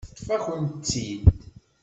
Teṭṭef-akent-t-id.